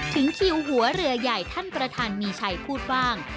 ถึงคิวหัวเรือใหญ่ท่านประธานมีชัยพูดบ้าง